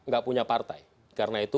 pak nggak punya partai karena itu